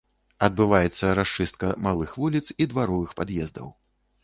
Адбываецца расчыстка малых вуліц і дваровых праездаў.